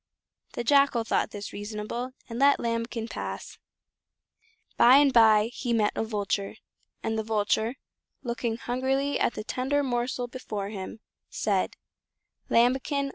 The Jackal thought this reasonable, and let Lambikin pass. By and by he met a Vulture, and the Vulture, looking hungrily at the tender morsel before him, said: "Lambikin!